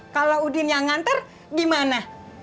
kalau udin yang nganter dimana